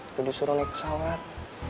udah disuruh naik pesawat